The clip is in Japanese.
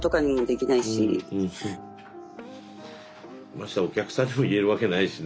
ましてやお客さんにも言えるわけないしね。